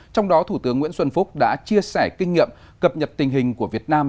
trong đó thủ tướng nguyễn xuân phúc đã chia sẻ kinh nghiệm cập nhật tình hình của việt nam